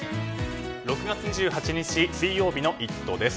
６月２８日、水曜日の「イット！」です。